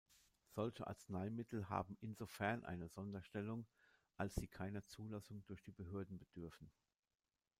Solche Arzneimittel haben insofern eine Sonderstellung, als sie keiner Zulassung durch die Behörden bedürfen.